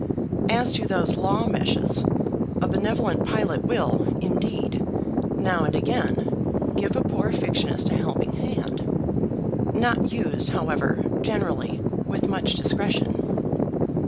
As to those law meshes, a benevolent pilot will, indeed, now and again give a poor fictionist a helping hand, not used, however, generally, with much discretion.